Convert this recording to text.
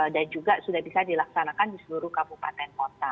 dan juga sudah bisa dilaksanakan di seluruh kabupaten